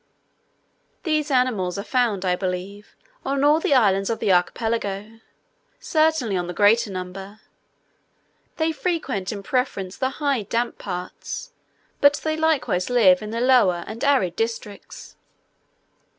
These animals are found, I believe, on all the islands of the archipelago; certainly on the greater number. They frequent in preference the high damp parts, but they likewise live in the lower and arid districts.